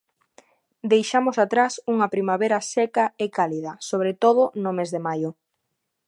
Deixamos atrás unha primavera seca e cálida, sobre todo no mes de maio.